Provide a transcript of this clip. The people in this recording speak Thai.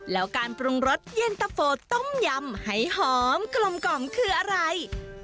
แล้วการปรุงรสเย็นตะโฟต้มยำให้หอมกลมกล่อมคืออะไร